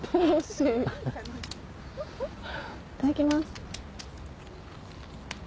いただきます。